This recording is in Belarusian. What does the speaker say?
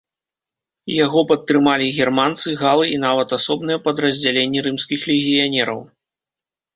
Яго падтрымалі германцы, галы і нават асобныя падраздзяленні рымскіх легіянераў.